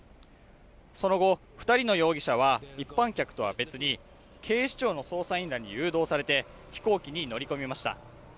その後二人の容疑者は一般客とは別に警視庁の捜査員らに誘導されて飛行機に乗り込みました